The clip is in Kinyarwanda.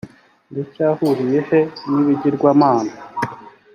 ndacyahuriye he n ibigirwamana